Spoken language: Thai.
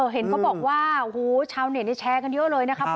เห็นเขาบอกว่าชาวเน็ตแชร์กันเยอะเลยนะครับ